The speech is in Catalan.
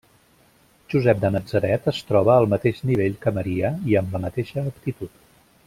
Josep de Natzaret es troba al mateix nivell que Maria i amb la mateixa aptitud.